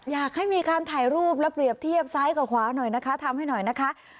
อยากให้มีการถ่ายรูปและเปรียบเทียบซ้ายกับขวาหน่อยนะคะทำให้หน่อยนะคะ